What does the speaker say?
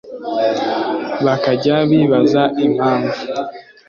bakajya bibaza impamvu